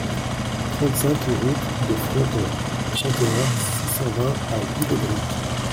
trente-cinq route de Fronton, trente et un, six cent vingt à Villaudric